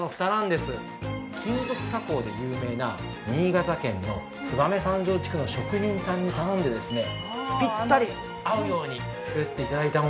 金属加工で有名な新潟県の燕三条地区の職人さんに頼んでですねピッタリ合うように作って頂いたものなんです。